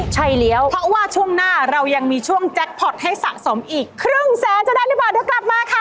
ใช่แล้วเพราะว่าช่วงหน้าเรายังมีช่วงแจ็คพอร์ตให้สะสมอีกครึ่งแสนจะได้หรือเปล่าเดี๋ยวกลับมาค่ะ